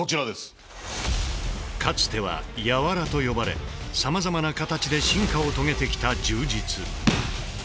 かつては「柔」と呼ばれさまざまな形で進化を遂げてきた柔術。